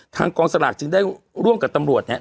กองสลากจึงได้ร่วมกับตำรวจเนี่ย